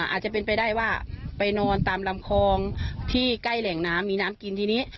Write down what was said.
อาจจะเป็นไปได้ว่าไปนอนตามลำคลองที่ใกล้แหล่งน้ำมีน้ำกินทีนี้